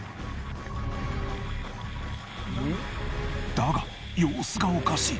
だが様子がおかしい。